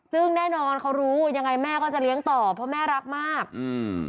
ซึ่งแน่นอนเขารู้ยังไงแม่ก็จะเลี้ยงต่อเพราะแม่รักมากอืม